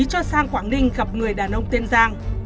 cho sang quảng ninh gặp người đàn ông tiên giang